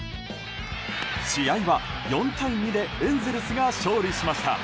試合は４対２でエンゼルスが勝利しました。